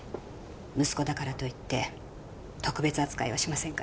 息子だからといって特別扱いはしませんから。